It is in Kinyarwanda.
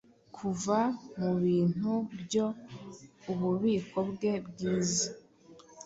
Kuva Mubintu byoe ububiko bwe bwiza